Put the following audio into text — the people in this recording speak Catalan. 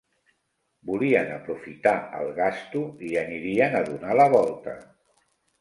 Volien aprofitar el gasto, i anirien a donar la volta.